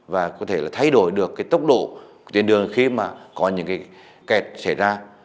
và có thể là thay đổi được cái tốc độ của tuyến đường khi mà có những cái kẹt xảy ra